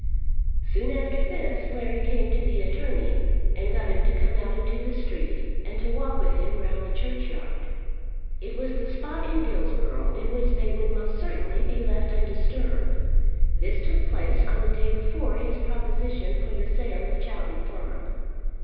Soon after this Larry came to the attorney and got him to come out into the street and to walk with him round the churchyard. It was the spot in Dillsborough in which they would most certainly be left undisturbed. This took place on the day before his proposition for the sale of Chowton Farm.